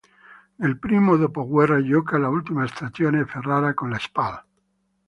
Nel primo dopoguerra gioca l'ultima stagione a Ferrara con la Spal.